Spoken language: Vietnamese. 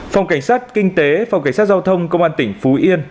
phòng cảnh sát kinh tế phòng cảnh sát giao thông công an tỉnh phú yên